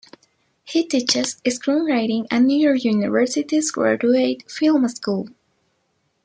He teaches screenwriting at New York University's Graduate Film School.